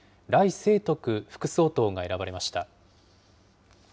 清徳副総統が選ばれました。